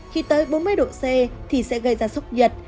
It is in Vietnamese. khi tới bốn mươi độ c thì sẽ gây ra sốc nhiệt